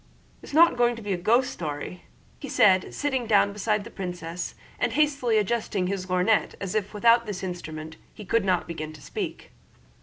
"It's not going to be a ghost story?" said he, sitting down beside the princess and hastily adjusting his lorgnette, as if without this instrument he could not begin to speak.